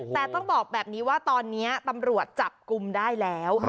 แต่ต้องบอกแบบนี้ว่าตอนนี้ตำรวจจับกลุ่มได้แล้ว